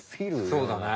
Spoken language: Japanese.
そうだね。